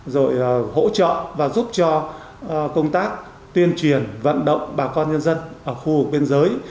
rồi hỗ trợ và giúp cho công tác tuyên truyền vận động bà con nhân dân ở khu vực biên giới